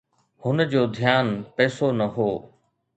هن جو ڌيان پئسو نه هو